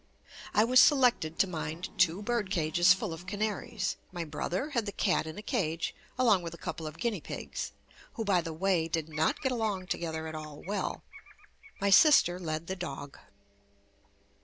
I was selected to mind two bird cages full of canaries. My brother had the cat in a cage along with a couple of guinea pigs, who, by the way, did not get along to gether at all well. My sister led the dog.